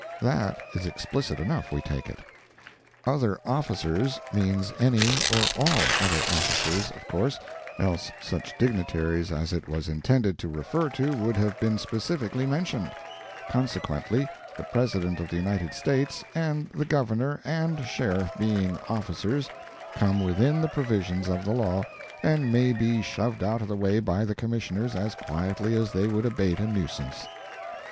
That is explicit enough, we take it. "Other officers" means any or all other officers, of course, else such dignitaries as it was intended to refer to would have been specifically mentioned; consequently, the President of the United States, and the Governor and Sheriff being "officers," come within the provisions of the law, and may be shoved out of the way by the Commissioners as quietly as they would abate a nuisance.